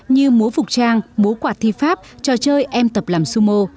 như múa phục trang múa quạt thi pháp trò chơi em tập làm sumo